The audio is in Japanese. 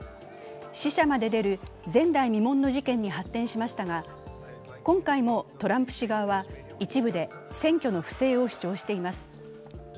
死者まで出る前代未聞の事件に発展しましたが今回も、トランプ氏側は一部で選挙の不正を主張しています。